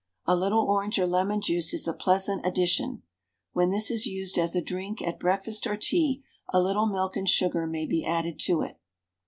A little orange or lemon juice is a pleasant addition. When this is used as a drink at breakfast or tea, a little milk and sugar may be added to it.